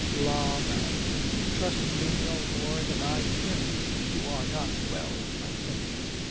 "La, ma'am, he trusted me no more than I him. You are not well, I think."